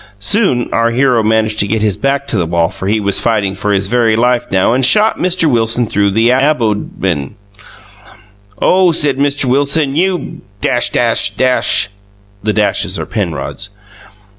Soon our hero manged to get his back to the wall for he was fighting for his very life now and shot Mr Wilson through the abodmen Oh said Mr Wilson you (The dashes are Penrod's.)